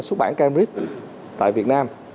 xuất bản cambridge tại việt nam